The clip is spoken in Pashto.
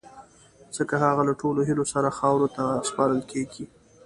ځڪه هغه له ټولو هیلو سره خاورو ته سپارل کیږی